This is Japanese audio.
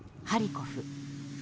ハリコフ。